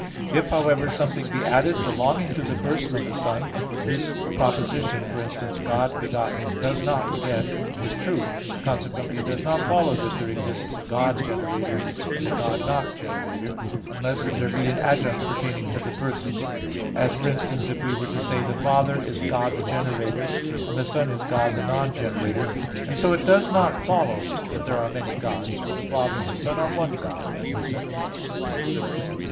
If, however, something be added belonging to the person of the Son, this proposition, for instance, "God begotten does not beget," is true. Consequently, it does not follow that there exists a "God generator," and a "God not generator"; unless there be an adjunct pertaining to the persons; as, for instance, if we were to say, "the Father is God the generator" and the "Son is God the non generator" and so it does not follow that there are many Gods; for the Father and the Son are one God, as was said above (A.